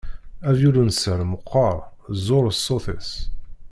Avyulunsal meqqer, zur ṣṣut-is.